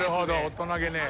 大人げねえ。